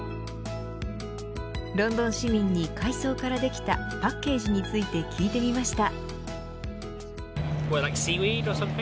ロンドン市民に海藻からできたパッケージについて聞いてみました。